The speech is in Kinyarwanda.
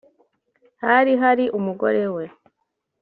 Hari hari umugore we